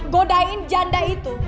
godain janda itu